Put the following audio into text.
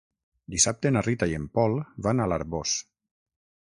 Dissabte na Rita i en Pol van a l'Arboç.